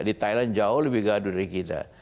di thailand jauh lebih gaduh dari kita